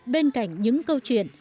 bên cạnh những câu chuyện